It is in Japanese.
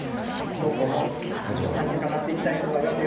広報の橋本さんに伺っていきたいと思います。